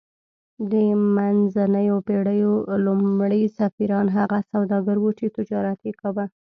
د منځنیو پیړیو لومړي سفیران هغه سوداګر وو چې تجارت یې کاوه